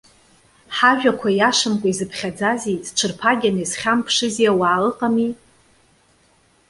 Ҳажәақәа иашамкәа изыԥхьаӡази, зҽырԥагьаны иазхьамԥшызи ауаа ыҟами?